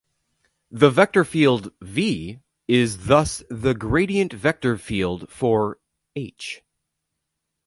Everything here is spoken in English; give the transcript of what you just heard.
The vector field "V" is thus the gradient vector field for "h".